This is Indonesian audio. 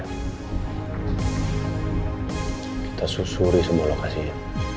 kita susuri semua lokasinya